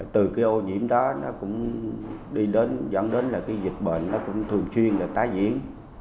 từ cái ô nhiễm đó nó cũng đi đến dẫn đến là cái dịch bệnh nó cũng thường xuyên là tái diễn